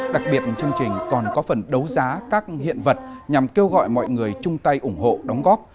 đặc biệt chương trình còn có phần đấu giá các hiện vật nhằm kêu gọi mọi người chung tay ủng hộ đóng góp